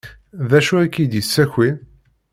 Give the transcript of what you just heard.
D acu ay k-id-yessakin?